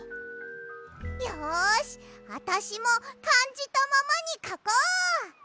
よしあたしもかんじたままにかこう！